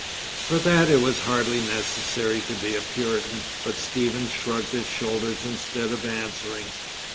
For that, it was hardly necessary to be a Puritan. But Stephen shrugged his shoulders instead of answering.